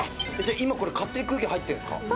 今これ、勝手に空気入ってるんですか。